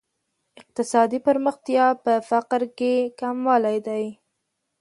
اقتصادي پرمختیا په فقر کې کموالی دی.